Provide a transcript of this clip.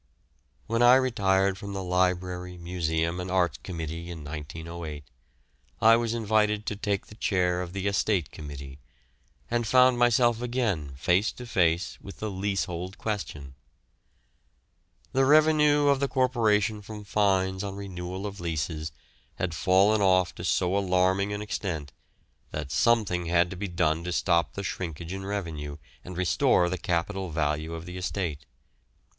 When I retired from the Library, Museum, and Arts Committee in 1908, I was invited to take the chair of the Estate Committee, and found myself again face to face with the leasehold question. The revenue of the Corporation from fines on renewal of leases had fallen off to so alarming an extent that something had to be done to stop the shrinkage in revenue and restore the capital value of the estate.